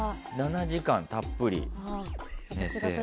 ７時間たっぷり寝て。